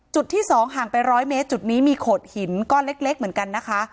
จุดที่๒ห่างไป๑๐๐เมตรจุดนี้มีโขดหินก้อนเล็กเหมือนกันนะคะ